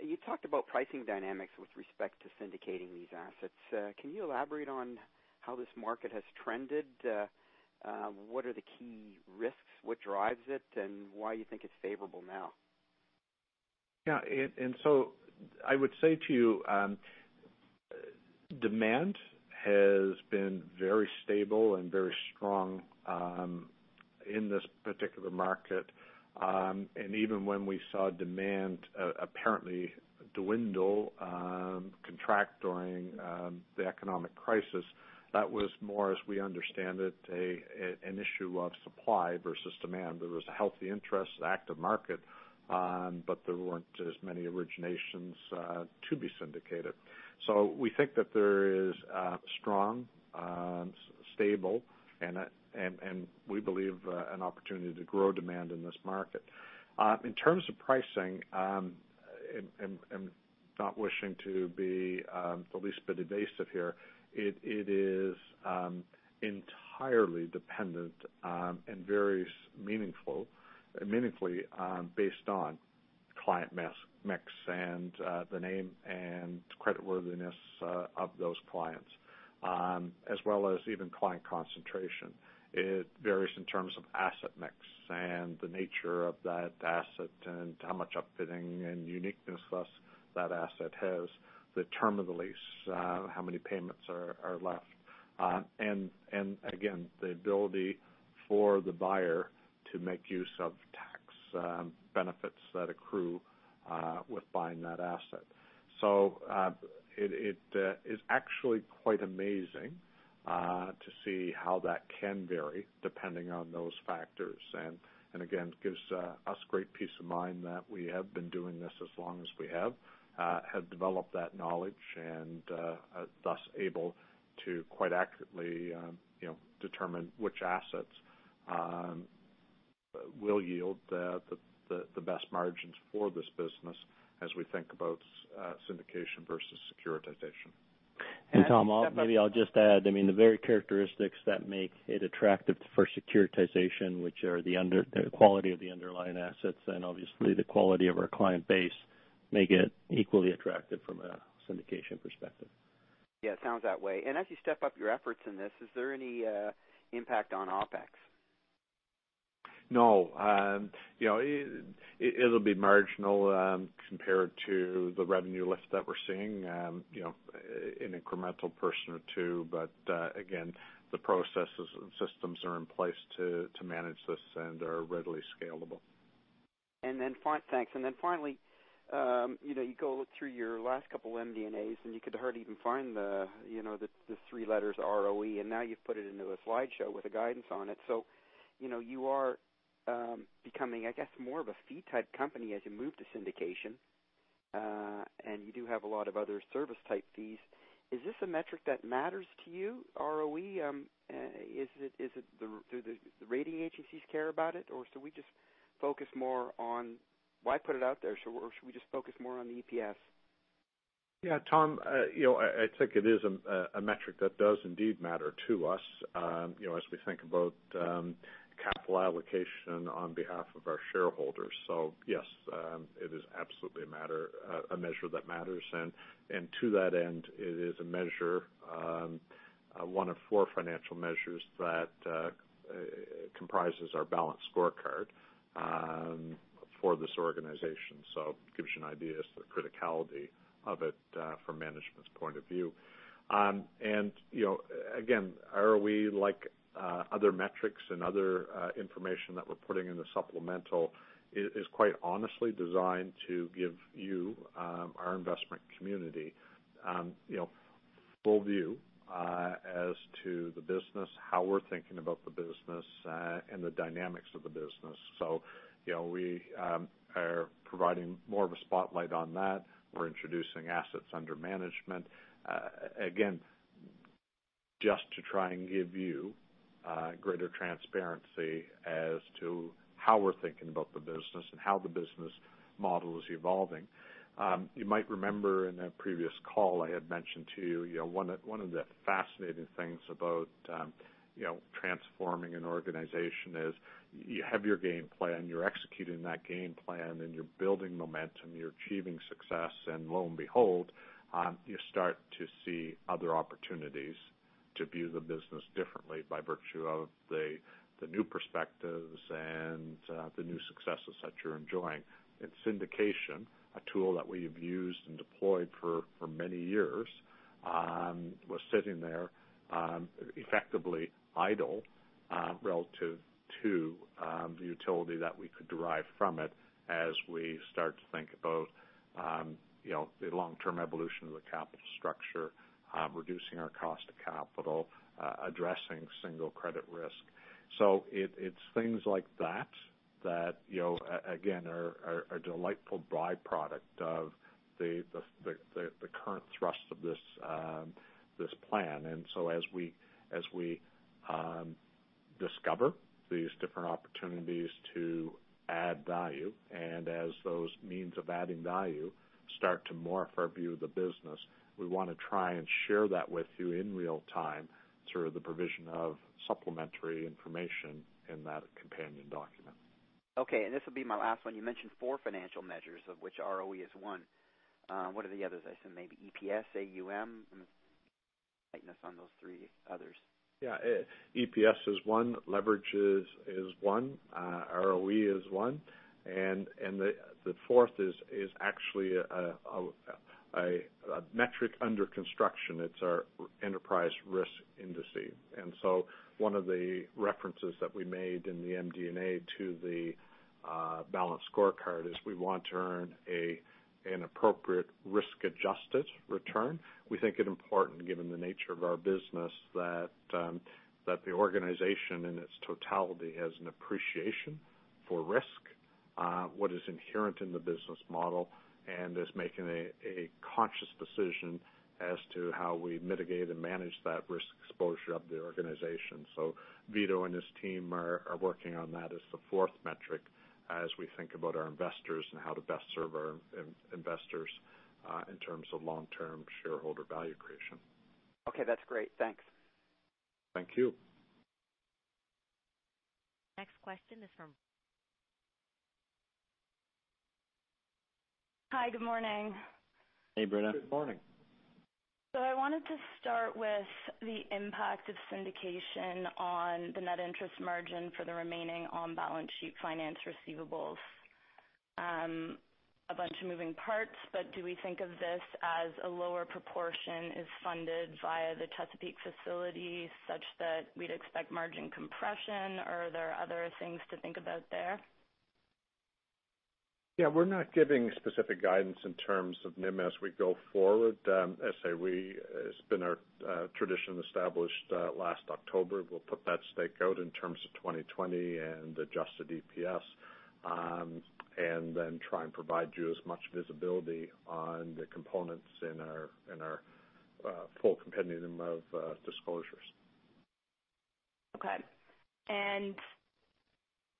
You talked about pricing dynamics with respect to syndicating these assets. Can you elaborate on how this market has trended? What are the key risks, what drives it, and why you think it's favorable now? Yeah. I would say to you, demand has been very stable and very strong in this particular market. Even when we saw demand apparently dwindle, contract during the economic crisis, that was more, as we understand it, an issue of supply versus demand. There was a healthy interest, active market, but there weren't as many originations to be syndicated. We think that there is a strong, stable, and we believe an opportunity to grow demand in this market. In terms of pricing, I'm not wishing to be the least bit evasive here, it is entirely dependent and varies meaningfully based on client mix and the name and creditworthiness of those clients, as well as even client concentration. It varies in terms of asset mix and the nature of that asset and how much upfitting and uniqueness thus that asset has, the term of the lease, how many payments are left. Again, the ability for the buyer to make use of tax benefits that accrue with buying that asset. It is actually quite amazing to see how that can vary depending on those factors. Again, gives us great peace of mind that we have been doing this as long as we have developed that knowledge, and are thus able to quite accurately determine which assets will yield the best margins for this business as we think about syndication versus securitization. Tom, maybe I'll just add, the very characteristics that make it attractive for securitization, which are the quality of the underlying assets and obviously the quality of our client base, make it equally attractive from a syndication perspective. Yeah, it sounds that way. As you step up your efforts in this, is there any impact on OpEx? No. It'll be marginal compared to the revenue lift that we're seeing, an incremental person or two. Again, the processes and systems are in place to manage this and are readily scalable. Thanks. Finally, you go look through your last couple MD&As, and you could hardly even find the three letters ROE, and now you've put it into a slideshow with a guidance on it. You are becoming, I guess, more of a fee type company as you move to syndication. You do have a lot of other service type fees. Is this a metric that matters to you, ROE? Do the rating agencies care about it, or should we just focus more on why put it out there, or should we just focus more on the EPS? Yeah, Tom, I think it is a metric that does indeed matter to us as we think about capital allocation on behalf of our shareholders. Yes, it is absolutely a measure that matters. To that end, it is a measure, one of four financial measures that comprises our balanced scorecard for this organization. It gives you an idea as to the criticality of it from management's point of view. Again, ROE, like other metrics and other information that we're putting in the supplemental, is quite honestly designed to give you, our investment community, full view as to the business, how we're thinking about the business, and the dynamics of the business. We are providing more of a spotlight on that. We're introducing assets under management. Again, just to try and give you greater transparency as to how we're thinking about the business and how the business model is evolving. You might remember in a previous call I had mentioned to you, one of the fascinating things about transforming an organization is you have your game plan, you're executing that game plan, and you're building momentum, you're achieving success, and lo and behold, you start to see other opportunities to view the business differently by virtue of the new perspectives and the new successes that you're enjoying. In syndication, a tool that we've used and deployed for many years, was sitting there effectively idle relative to the utility that we could derive from it as we start to think about the long-term evolution of the capital structure, reducing our cost of capital, addressing single credit risk. It's things like that again, are a delightful byproduct of the current thrust of this plan. As we discover these different opportunities to add value, and as those means of adding value start to morph our view of the business, we want to try and share that with you in real time through the provision of supplementary information in that companion document. Okay. This will be my last one. You mentioned four financial measures, of which ROE is one. What are the others? I assume maybe EPS, AUM. Lightness on those three others. Yeah. EPS is one. Leverage is one. ROE is one. The fourth is actually a metric under construction. It's our enterprise risk indices. One of the references that we made in the MD&A to the balanced scorecard is we want to earn an appropriate risk-adjusted return. We think it important, given the nature of our business, that the organization in its totality has an appreciation for risk, what is inherent in the business model, and is making a conscious decision as to how we mitigate and manage that risk exposure of the organization. Vito and his team are working on that as the fourth metric as we think about our investors and how to best serve our investors in terms of long-term shareholder value creation. Okay, that's great. Thanks. Thank you. Next question is from Britta. Hi, good morning. Hey, Britta. Good morning. I wanted to start with the impact of syndication on the net interest margin for the remaining on-balance sheet finance receivables. A bunch of moving parts, but do we think of this as a lower proportion is funded via the Chesapeake facility such that we'd expect margin compression? Are there other things to think about there? Yeah. We're not giving specific guidance in terms of NIM as we go forward. As I say, it's been our tradition established last October. We'll put that stake out in terms of 2020 and adjusted EPS, then try and provide you as much visibility on the components in our full compendium of disclosures. Okay.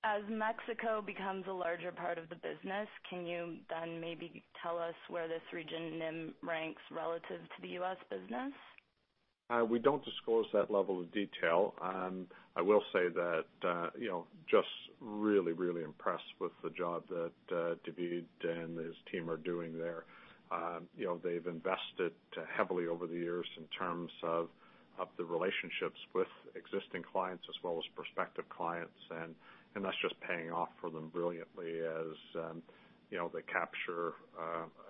As Mexico becomes a larger part of the business, can you then maybe tell us where this region NIM ranks relative to the U.S. business? We don't disclose that level of detail. I will say that just really impressed with the job that David and his team are doing there. They've invested heavily over the years in terms of the relationships with existing clients as well as prospective clients, that's just paying off for them brilliantly as they capture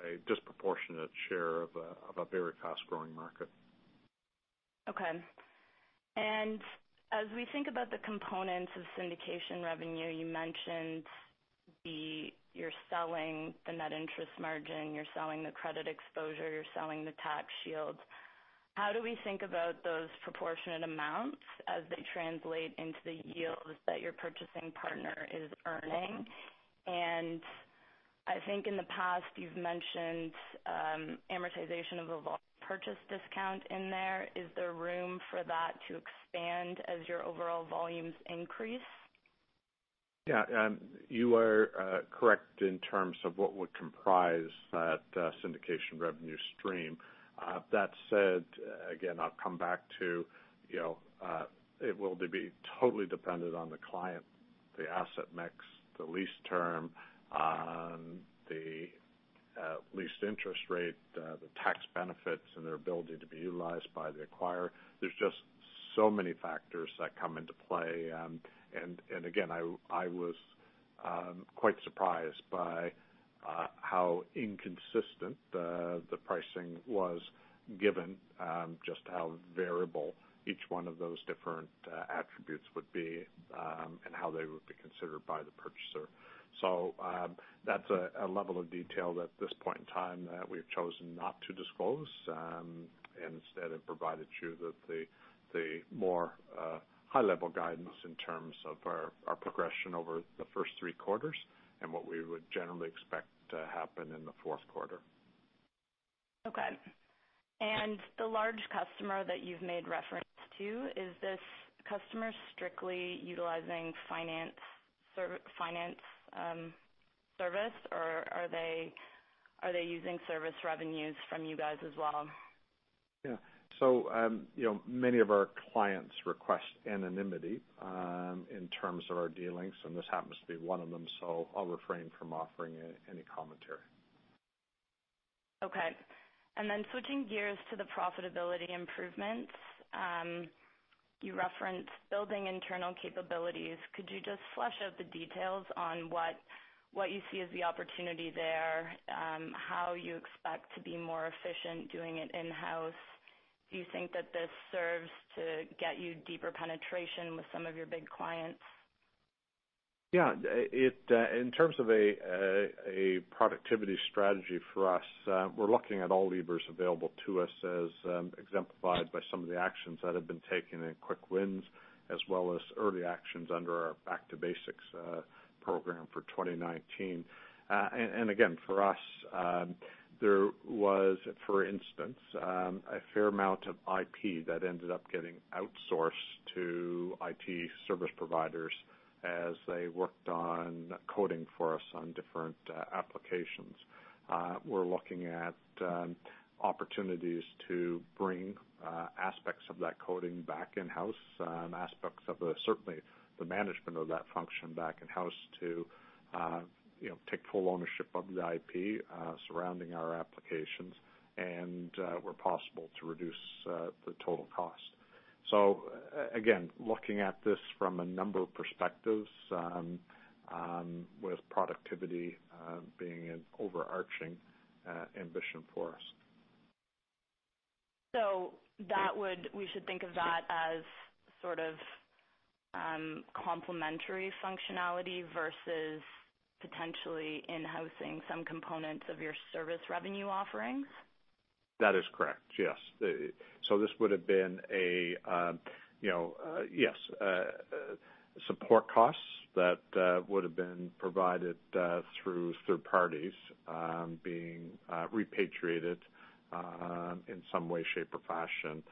a disproportionate share of a very fast-growing market. Okay. As we think about the components of syndication revenue, you mentioned you're selling the net interest margin, you're selling the credit exposure, you're selling the tax shield. How do we think about those proportionate amounts as they translate into the yields that your purchasing partner is earning? I think in the past, you've mentioned amortization of a purchase discount in there. Is there room for that to expand as your overall volumes increase? Yeah. You are correct in terms of what would comprise that syndication revenue stream. That said, again, I'll come back to it will be totally dependent on the client, the asset mix, the lease term, the lease interest rate, the tax benefits, and their ability to be utilized by the acquirer. There's just so many factors that come into play. Again, I was quite surprised by how inconsistent the pricing was given just how variable each one of those different attributes would be, and how they would be considered by the purchaser. That's a level of detail that at this point in time that we've chosen not to disclose. Instead, have provided you the more high-level guidance in terms of our progression over the first three quarters and what we would generally expect to happen in the fourth quarter. Okay. The large customer that you've made reference to, is this customer strictly utilizing finance service, or are they using service revenues from you guys as well? Yeah. Many of our clients request anonymity in terms of our dealings, and this happens to be one of them. I'll refrain from offering any commentary. Okay. Switching gears to the profitability improvements. You referenced building internal capabilities. Could you just flesh out the details on what you see as the opportunity there, how you expect to be more efficient doing it in-house? Do you think that this serves to get you deeper penetration with some of your big clients? Yeah. In terms of a productivity strategy for us, we're looking at all levers available to us as exemplified by some of the actions that have been taken in quick wins, as well as early actions under our back-to-basics program for 2019. For us, there was, for instance, a fair amount of IP that ended up getting outsourced to IT service providers as they worked on coding for us on different applications. We're looking at opportunities to bring aspects of that coding back in-house and aspects of certainly the management of that function back in-house to take full ownership of the IP surrounding our applications, and where possible, to reduce the total cost. Again, looking at this from a number of perspectives with productivity being an overarching ambition for us. We should think of that as sort of complementary functionality versus potentially in-housing some components of your service revenue offerings? That is correct, yes. This would've been support costs that would've been provided through third parties being repatriated in some way, shape, or fashion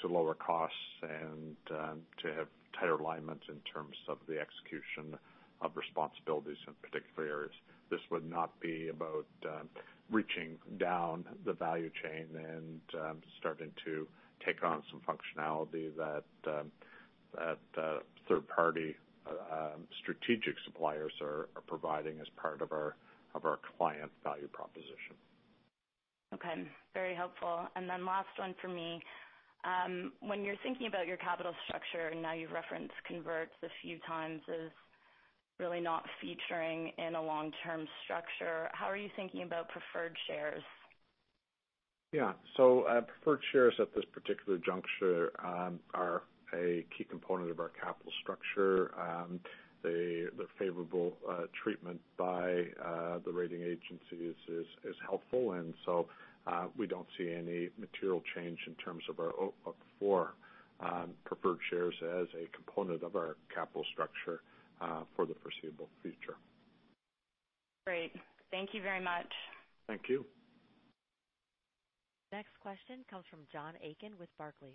to lower costs and to have tighter alignment in terms of the execution of responsibilities in particular areas. This would not be about reaching down the value chain and starting to take on some functionality that third-party strategic suppliers are providing as part of our client value proposition. Okay. Very helpful. Last one from me. When you're thinking about your capital structure, now you've referenced converts a few times as really not featuring in a long-term structure, how are you thinking about preferred shares? Yeah. Preferred shares at this particular juncture are a key component of our capital structure. The favorable treatment by the rating agencies is helpful, we don't see any material change in terms of our [OPII preferred shares] as a component of our capital structure for the foreseeable future. Great. Thank you very much. Thank you. Next question comes from John Aiken with Barclays.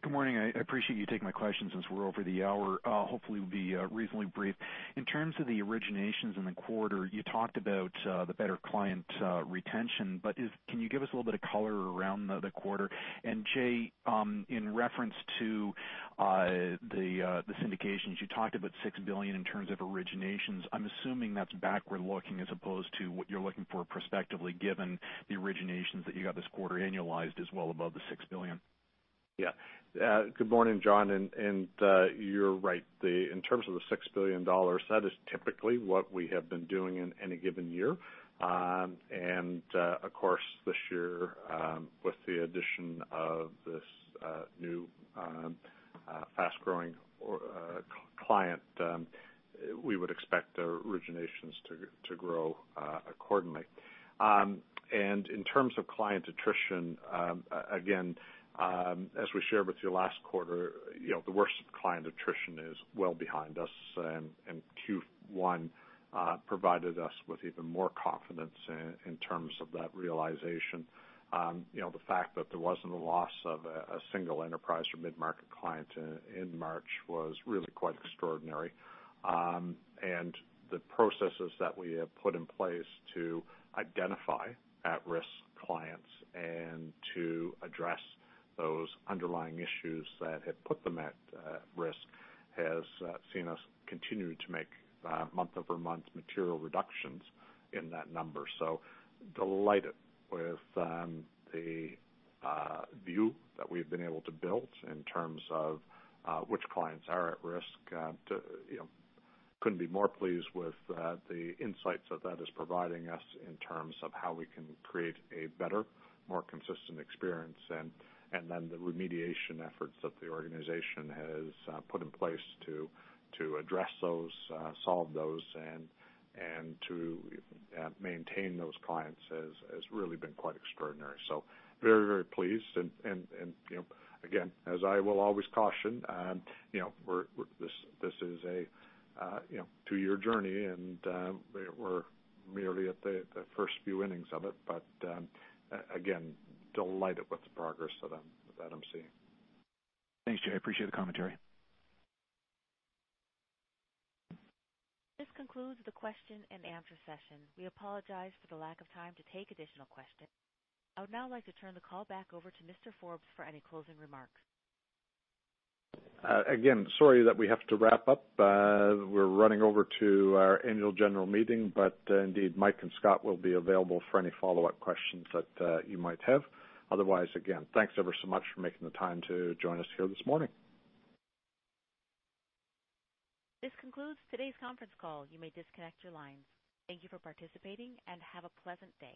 Good morning. I appreciate you taking my question since we're over the hour. Hopefully, we'll be reasonably brief. In terms of the originations in the quarter, you talked about the better client retention, but can you give us a little bit of color around the quarter? Jay, in reference to the syndications, you talked about 6 billion in terms of originations. I'm assuming that's backward-looking as opposed to what you're looking for prospectively given the originations that you got this quarter annualized is well above the 6 billion. Good morning, John. You're right. In terms of the 6 billion dollars, that is typically what we have been doing in any given year. Of course, this year, with the addition of this new fast-growing client, we would expect our originations to grow accordingly. In terms of client attrition, again, as we shared with you last quarter, the worst of client attrition is well behind us, and Q1 provided us with even more confidence in terms of that realization. The fact that there wasn't a loss of a single enterprise or mid-market client in March was really quite extraordinary. The processes that we have put in place to identify at-risk clients and to address those underlying issues that have put them at risk has seen us continue to make month-over-month material reductions in that number. Delighted with the view that we've been able to build in terms of which clients are at risk. Couldn't be more pleased with the insights that that is providing us in terms of how we can create a better, more consistent experience, then the remediation efforts that the organization has put in place to address those, solve those, and to maintain those clients has really been quite extraordinary. Very, very pleased and again, as I will always caution, this is a two-year journey, and we're merely at the first few innings of it. Again, delighted with the progress that I'm seeing. Thanks, Jay. I appreciate the commentary. This concludes the question and answer session. We apologize for the lack of time to take additional questions. I would now like to turn the call back over to Mr. Forbes for any closing remarks. Again, sorry that we have to wrap up. We're running over to our annual general meeting, but indeed, Mike and Scott will be available for any follow-up questions that you might have. Otherwise, again, thanks ever so much for making the time to join us here this morning. This concludes today's conference call. You may disconnect your lines. Thank you for participating and have a pleasant day.